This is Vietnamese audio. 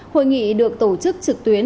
hội nghị được tổ chức trực tuyến